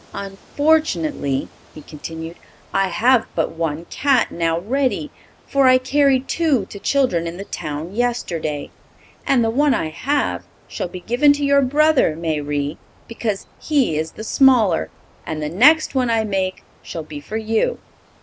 "Unfortunately," he continued, "I have but one cat now ready, for I carried two to children in the town yesterday. And the one I have shall be given to your brother, Mayrie, because he is the smaller; and the next one I make shall be for you."